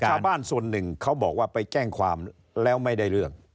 ชาวบ้านส่วนหนึ่งเขาบอกว่าไปแจ้งความแล้วไม่ได้เรื่อง